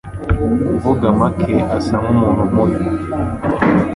Kuvuga make, asa nkumuntu mubi.